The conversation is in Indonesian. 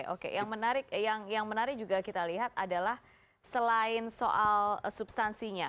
oke yang menarik yang menarik juga kita lihat adalah selain soal substansinya